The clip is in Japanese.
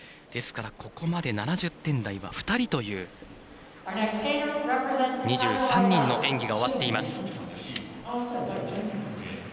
ですから、ここまで７０点台は２人という２３人の演技が終わっています。